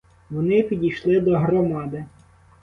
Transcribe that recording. Вони підійшли до громади.